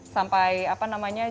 sampai apa namanya